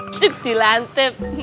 ujung di lantep